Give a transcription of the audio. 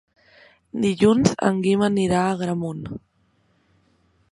Dilluns en Guim anirà a Agramunt.